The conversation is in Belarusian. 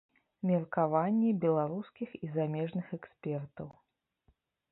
Меркаванні беларускіх і замежных экспертаў.